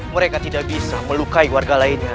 mereka tidak bisa melukai warga lainnya